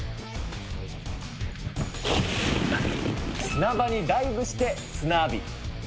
砂場にダイブして砂浴び。